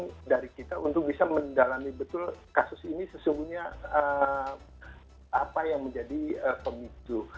ini dari kita untuk bisa mendalami betul kasus ini sesungguhnya apa yang menjadi pemicu